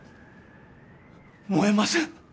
燃えません。